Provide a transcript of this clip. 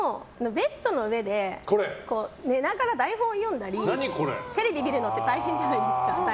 ベッドの上で寝ながら台本を読んだりテレビ見るのって大変じゃないですか。